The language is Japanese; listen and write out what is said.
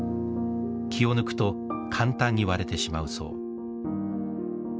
気を抜くと簡単に割れてしまうそう。